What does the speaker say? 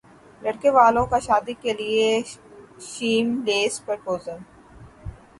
لڑکے والوں کا شادی کے لیےشیم لیس پرپوزل